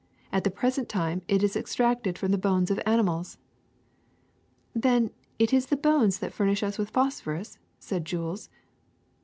At the present time it is extracted from the bones of animals.'' *^Then it is bones that furnish us with phos phorus?" said Jules.